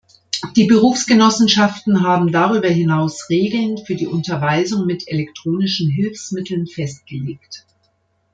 Die Berufsgenossenschaften haben darüber hinaus Regeln für die Unterweisung mit elektronischen Hilfsmitteln festgelegt.